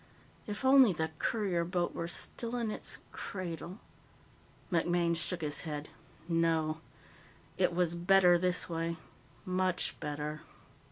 If only the courier boat were still in its cradle MacMaine shook his head. No. It was better this way. Much better.